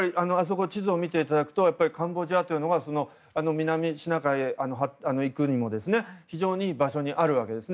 地図を見ていただきますとカンボジアというのは南シナ海に行くにも非常にいい場所にあるわけです。